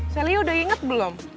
sally udah inget belum